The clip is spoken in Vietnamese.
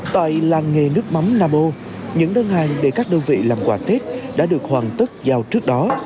tại làng nghề nước mắm nam ô những đơn hàng để các đơn vị làm quả tết đã được hoàn tất vào trước đó